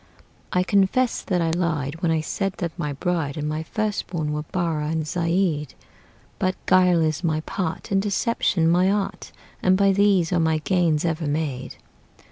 I confess that I lied When I said that my bride And my first born were Barrah and Zeid; But guile is my part, And deception my art, And by these are my gains ever made.